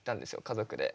家族で。